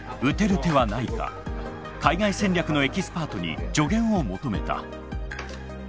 打てる手はないか海外戦略のエキスパートに助言を求めた。